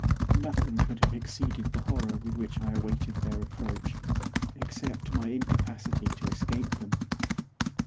Nothing could have exceeded the horror with which I awaited their approach, except my incapacity to escape them.